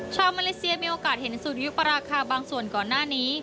มาเลเซียมีโอกาสเห็นสุริยุปราคาบางส่วนก่อนหน้านี้